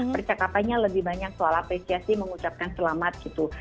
percakapannya lebih banyak soal apresiasi mengucapkan selamat gitu